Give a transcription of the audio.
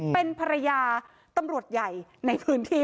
เป็นภรรยาตำรวจใหญ่ในพื้นที่